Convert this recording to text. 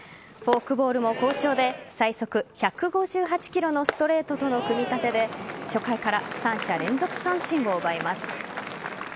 フォークボールも好調で、最速１５８キロのストレートとの組み立てで初回から三者連続三振を奪います。